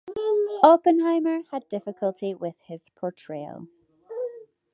Oppenheimer had difficulty with this portrayal.